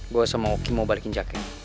gua sama oki mau balikin jaket